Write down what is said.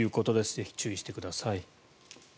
ぜひ注意してください。